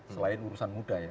selain urusan muda ya